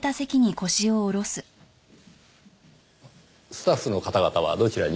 スタッフの方々はどちらに？